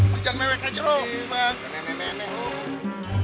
perjan mewek aja loh